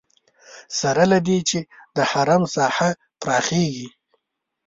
سره له دې چې د حرم ساحه پراخېږي.